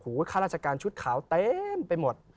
ข้าราชการชุดขาวเต็มไปหมด